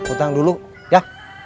utang dulu ya